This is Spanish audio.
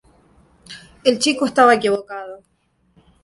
El chico estaba equivocado.